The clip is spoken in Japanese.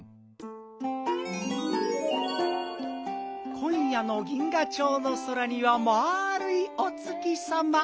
こんやの銀河町の空にはまあるいお月さま。